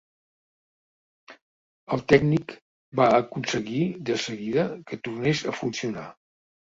El tècnic va aconseguir de seguida que tornés a funcionar.